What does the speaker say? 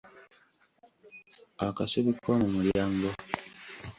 Akasubi k’omu mulyango.